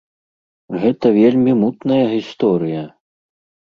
Гэта вельмі мутная гісторыя!